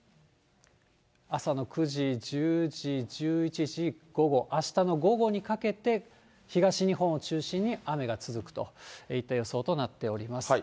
朝の９時、１０時、１１時、午後、あしたの午後にかけて、東日本を中心に雨が続くといった予想となっております。